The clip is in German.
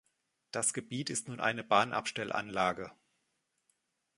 Das Gebiet ist nun eine Bahnabstellanlage.